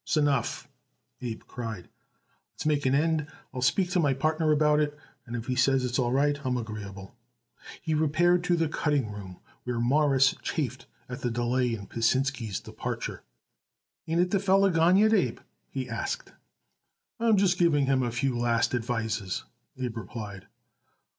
"S'enough," Abe cried. "Let's make an end. I'll speak to my partner about it, and if he says it's all right I'm agreeable." He repaired to the cutting room, where Morris chafed at the delay in Pasinsky's departure. "Ain't that feller gone yet, Abe?" he asked. "I'm just giving him a few last advices," Abe replied.